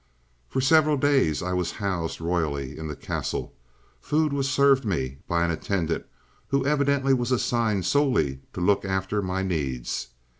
"For several days I was housed royally in the castle. Food was served me by an attendant who evidently was assigned solely to look after my needs.